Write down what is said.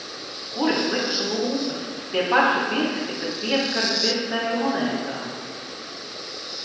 Kur es likšu lūpas, tie paši pirksti, kas pieskarās pircēju monētām...